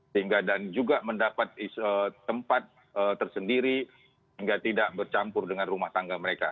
sehingga dan juga mendapat tempat tersendiri hingga tidak bercampur dengan rumah tangga mereka